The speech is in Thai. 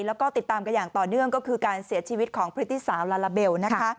แล้วก็ติดตามกันอย่างต่อเนื่องก็คือการเสียชีวิตของพฤติสาวลาลาเบลนะคะ